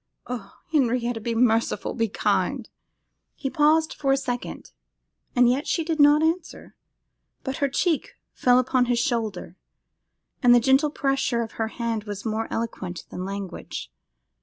Ah! Henrietta, be merciful, be kind!' He paused for a second, and yet she did not answer; but her cheek fell upon his shoulder, and the gentle pressure of her hand was more eloquent than language.